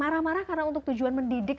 marah marah karena untuk tujuan mendidik